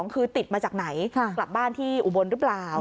คือติดมาจากไหนกลับบ้านที่อุบลหรือเปล่า